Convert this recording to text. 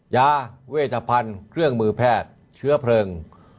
ยาเวชภัณฑ์เครื่องมือแพทย์เชื้อเพลิง